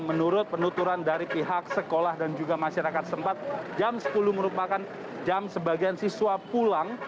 menurut penuturan dari pihak sekolah dan juga masyarakat sempat jam sepuluh merupakan jam sebagian siswa pulang